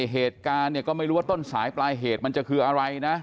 เหตุการณ์เนี่ยก็ไม่รู้ว่าต้นสายปลายเหตุมันจะคืออะไรนะ